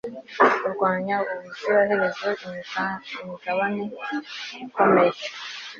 Kurwanya ubuziraherezo imigabane ikomeye